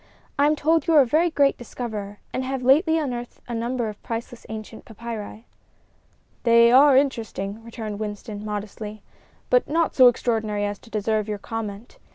"I am told you are a very great discoverer, and have lately unearthed a number of priceless ancient papyri." "They are interesting," returned Winston, modestly, "but not so extraordinary as to deserve your comment.